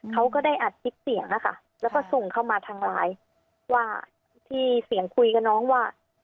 เขาก็ได้อัดคลิปเสียงนะคะแล้วก็ส่งเข้ามาทางไลน์ว่าที่เสียงคุยกับน้องว่า